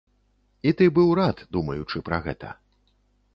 І ты быў рад, думаючы пра гэта.